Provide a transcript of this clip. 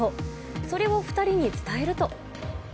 それを２人に伝えると。